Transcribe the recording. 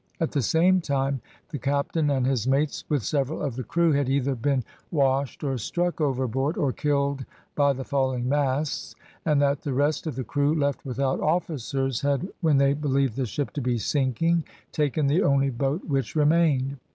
At the same time the captain and his mates, with several of the crew, had either been washed or struck overboard, or killed by the falling masts; and that the rest of the crew, left without officers, had, when they believed the ship to be sinking, taken the only boat which remained.